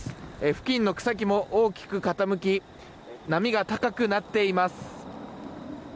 付近の草木も大きく傾き波が高くなっています。